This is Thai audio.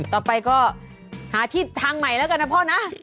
ต่อไปก็หาที่ทางใหม่แล้วกันนะพ่อนะ